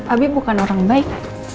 abi bukan orang baik